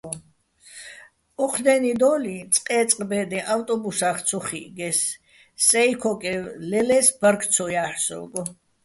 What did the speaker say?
ოჴ დე́ნიდო́ლიჼ წყე́წყ ბე́დეჼ ავტობუსახ ცო ხიჸგეს, სეჲ ქოკევ ლელე́ს ბარგ ცო ჲაჰ̦ე̆ სოგო̆.